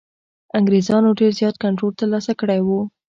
انګرېزانو ډېر زیات کنټرول ترلاسه کړی وو.